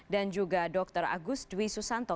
dan juga dokter agus dwi susanto